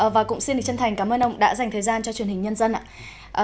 và cũng xin chân thành cảm ơn ông đã dành thời gian cho truyền hình nhân dân ạ